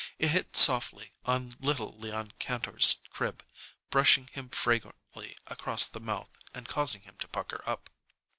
It hit softly on little Leon Kantor's crib, brushing him fragrantly across the mouth and causing him to pucker up.